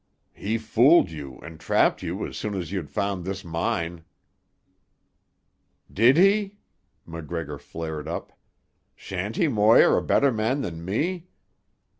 "He fooled you and trapped you as soon as you'd found this mine." "Did he?" MacGregor flared up. "Shanty Moir a better man than me?